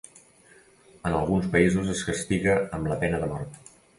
En alguns països es castiga amb la pena de mort.